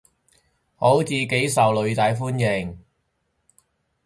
好似幾受囝仔歡迎